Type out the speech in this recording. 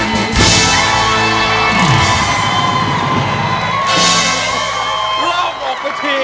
ร้องออกประชี